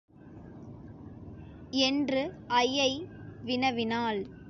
என்று ஐயையை வினவினாள்.